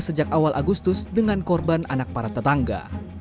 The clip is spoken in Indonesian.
sejak awal agustus dengan korban anak para tetangga